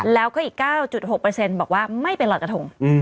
แล้วก็อีก๙๖บอกว่าไม่ไปลอยกระทง